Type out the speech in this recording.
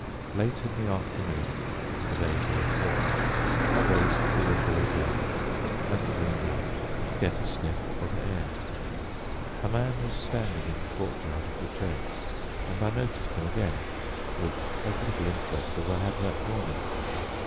Late in the afternoon, the day being warm, I raised the window again and leaned out to get a sniff of air. A man was standing in the courtyard of the church, and I noticed him again with as little interest as I had that morning.